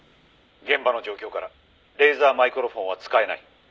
「現場の状況からレーザーマイクロフォンは使えない」